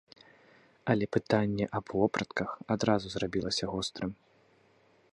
Але пытанне аб вопратках адразу зрабілася гострым.